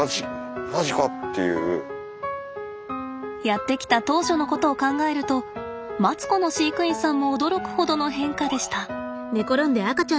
やって来た当初のことを考えるとマツコの飼育員さんも驚くほどの変化でした。